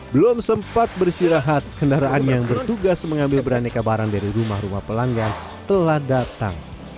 belum sempat beristirahat kendaraan yang bertugas mengambil beraneka barang dari rumah rumah pelanggan telah datang